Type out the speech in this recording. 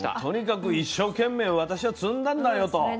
もうとにかく一生懸命私は摘んだんだよと。